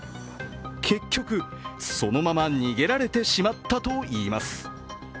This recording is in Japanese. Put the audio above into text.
結局、そのまま逃げられてしまったといいます。